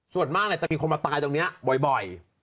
ส่วนมากเนี่ยจะมีคนมาตายตรงเนี่ยบ่อย